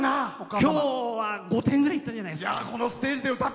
きょうは５点ぐらいいったんじゃないですか？